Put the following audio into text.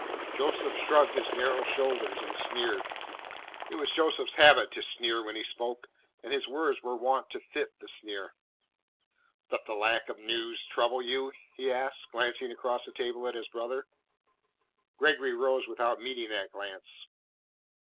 Joseph shrugged his narrow shoulders and sneered. It was Joseph's habit to sneer when he spoke, and his words were wont to fit the sneer. "Doth the lack of news trouble you?" he asked, glancing across the table at his brother. Gregory rose without meeting that glance.